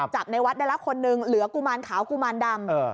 จับในวัดใดละคน๑เหลือกุมานขาวกุมานดำ